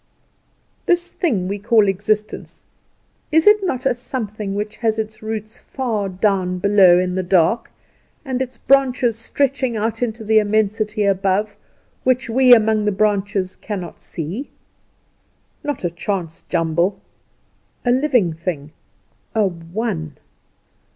This thing we call existence; is it not a something which has its roots far down below in the dark, and its branches stretching out into the immensity above, which we among the branches cannot see? Not a chance jungle; a living thing, a One.